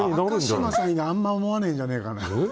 高嶋さんにあんま思わないんじゃないかな。